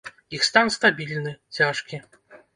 Іх стан стабільны, цяжкі.